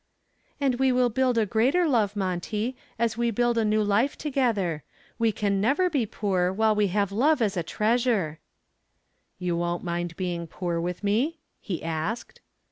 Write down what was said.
"And we will build a greater love, Monty, as we build the new life together. We never can be poor while we have love as a treasure." "You won't mind being poor with me?" he asked.